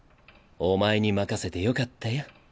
お前に任せてよかったよ。